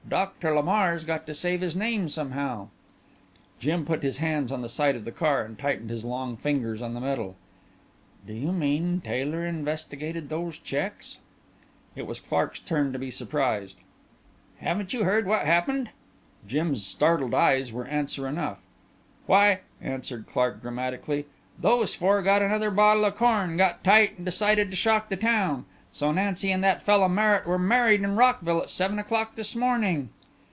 Doctor Lamar's got to save his name somehow." Jim put his hands on the sides of the car and tightened his long fingers on the metal. "Do you mean Taylor investigated those checks?" It was Clark's turn to be surprised. "Haven't you heard what happened?" Jim's startled eyes were answer enough. "Why," announced Clark dramatically, "those four got another bottle of corn, got tight and decided to shock the town so Nancy and that fella Merritt were married in Rockville at seven o'clock this morning."